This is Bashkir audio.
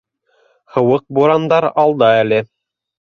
Һыуыҡ бурандар алда әле.